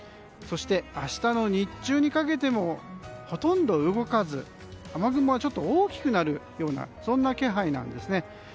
そして、明日の日中にかけてもほとんど動かず雨雲がちょっと大きくなるような気配なんですね。